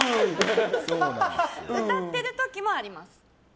歌ってる時もあります。